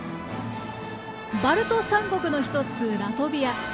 バルト３国の一つラトビア。